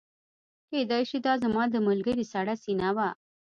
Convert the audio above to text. کیدای شي دا زما د ملګري سړه سینه وه